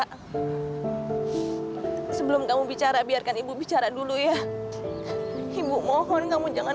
hai sebelum kamu bicara biarkan ibu bicara dulu ya ibu mohon kamu jangan